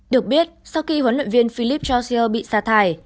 được biết sau khi huấn luyện viên philip george hill bị xa thải